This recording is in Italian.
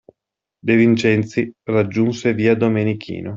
De Vincenzi raggiunse via Domenichino.